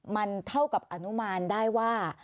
มันเท่ากับอนุมานได้ว่า